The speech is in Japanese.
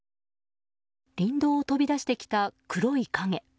林道を飛び出してきた黒い影。